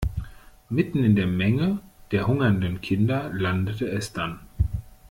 Mitten in der Menge der hungernden Kinder landete es dann.